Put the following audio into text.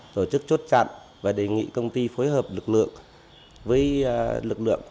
tổ chức chốt chặn và đề nghị công ty phối hợp lực lượng